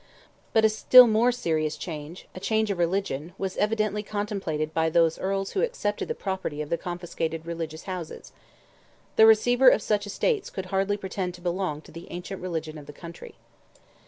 But a still more serious change—a change of religion—was evidently contemplated by those Earls who accepted the property of the confiscated religious houses. The receiver of such estates could hardly pretend to belong to the ancient religion of the country.